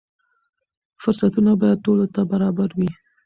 فرصتونه باید ټولو ته برابر وي.